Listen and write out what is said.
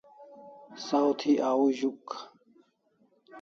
Saw thi au zuk